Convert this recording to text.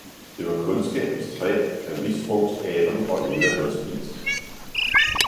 Det var Kundskabens træ, af hvis frugt Adam og Eva havde spist.